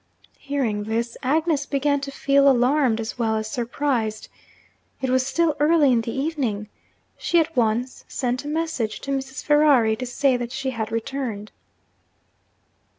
Hearing this, Agnes began to feel alarmed as well as surprised. It was still early in the evening. She at once sent a message to Mrs. Ferrari, to say that she had returned.